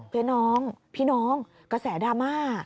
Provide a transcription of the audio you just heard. พี่น้องพี่น้องกระแสดราม่า